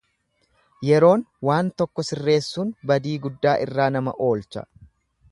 Yeroon waan tokko sirreessuun badii gudda irraa nama olcha.